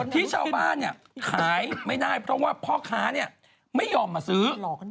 ที่ชาวบ้านขายไม่ได้เพราะว่าพ่อค้าไม่ยอมมาซื้อ